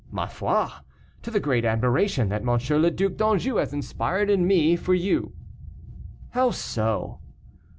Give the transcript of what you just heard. "Ma foi, to the great admiration that M. le Duc d'Anjou has inspired in me for you." "How so?"